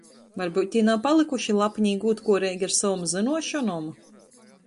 Varbyut tī nav palykuši lapni i gūdkuoreigi ar sovom zynuošonom?